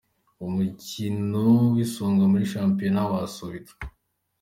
Umukino w’Isonga muri shampiyona wasubitswe